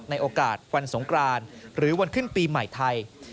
ในโอกาสวันสงกรานหรือวันขึ้นปีใหม่ไทย